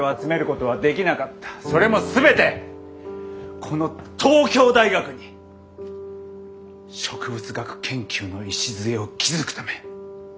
それも全てこの東京大学に植物学研究の礎を築くため。